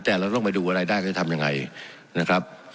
แต่เราต้องไปดูว่ารายได้เขาจะทำยังไงนะครับ